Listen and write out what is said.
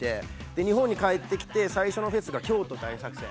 で日本に帰ってきて最初のフェスが京都大作戦。